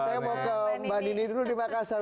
saya mau ke mbak nini dulu di makassar